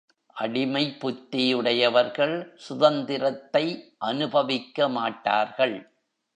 அடிமைப் புத்தியுடையவர்கள் சுதந்தரத்தை அனுபவிக்கமாட்டார்கள்.